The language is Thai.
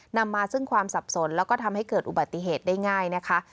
นำมาซึ่งความสับสนแล้วก็ทำให้เกิดอุบัติเหตุได้ง่ายนะคะ